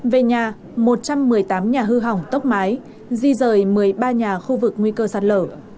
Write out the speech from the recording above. về nhà một trăm một mươi tám nhà hư hỏng tốc mái di rời một mươi ba nhà khu vực nguy cơ sạt lở